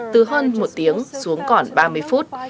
từ hơn một tiếng xuống còn ba mươi phút